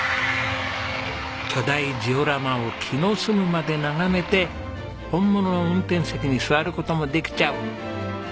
巨大ジオラマを気の済むまで眺めて本物の運転席に座る事もできちゃう。